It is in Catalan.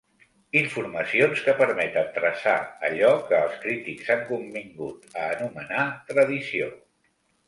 Informacions que permeten traçar allò que els crítics han convingut a anomenar tradició.